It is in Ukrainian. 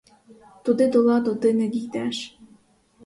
Туди до ладу ти не дійдеш.